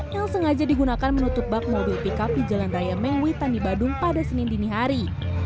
yang sengaja digunakan menutup bak mobil pickup di jalan raya mewui tani badung pada senin dinihari